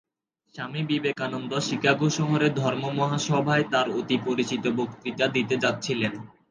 স্বামী বিবেকানন্দ শিকাগো শহরে ধর্ম মহাসভায় তার অতি-পরিচিত বক্তৃতা দিতে যাচ্ছিলেন।